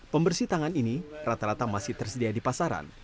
pembersih tangan ini rata rata masih tersedia di pasaran